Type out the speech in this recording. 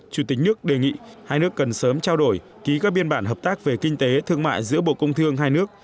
chủ tịch nước đề nghị hai nước cần sớm trao đổi ký các biên bản hợp tác về kinh tế thương mại giữa bộ công thương hai nước